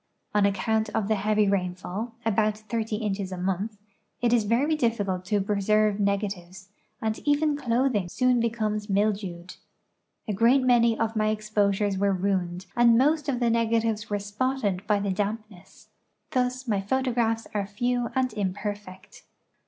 On account of the heavy rainfall (a)jout 30 inches a montli) it is very dillicult to j)reserve negatives, and even cloth ing S(jon becomes mildewed. A great many of my exposures were ruined ami most of the negatives were spotted by the damp ness. Thus my photographs are few and im])erfect.